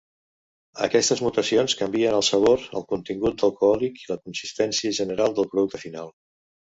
Aquestes mutacions canvien el sabor, el contingut alcohòlic i la consistència general del producte final.